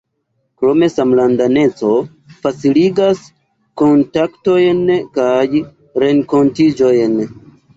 Krome, samlandaneco faciligas kontaktojn kaj renkontiĝojn.